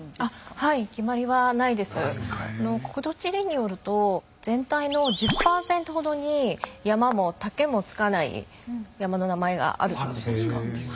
国土地理院によると全体の１０％ほどに山も岳も付かない山の名前があるそうです。